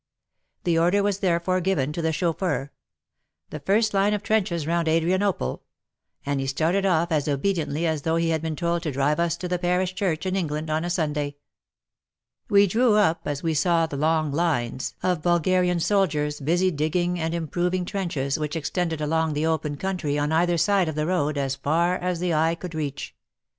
The order was therefore given to the chauffeur, "The first line of trenches round Adrianople," and he started off as obediently as though he had been told to drive us to the parish church in England on a Sunday. We drew up as we saw long lines of Bulgarian WAR AND WOMEN 199 soldiers busy digging and improving trenches which extended along the open country on either side of the road as far as the eye could reach.